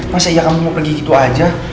masa ya kamu mau pergi gitu aja